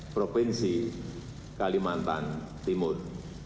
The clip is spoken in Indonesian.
provinsi kalimantan timur